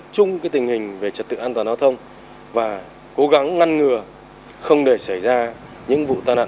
chung tình hình về trật tự an toàn giao thông và cố gắng ngăn ngừa không để xảy ra những vụ tai nạn